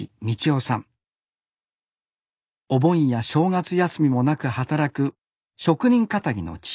お盆や正月休みもなく働く職人かたぎの父でした。